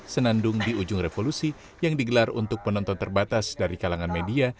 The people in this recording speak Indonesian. senandung di ujung revolusi yang digelar untuk penonton terbatas dari kalangan media